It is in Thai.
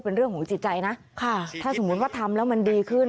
เป็นเรื่องของจิตใจนะถ้าสมมุติว่าทำแล้วมันดีขึ้น